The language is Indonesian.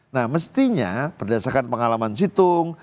nah mestinya berdasarkan pengalaman situng